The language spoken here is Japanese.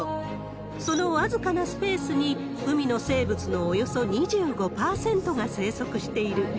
その僅かなスペースに、海の生物のおよそ２５％が生息している。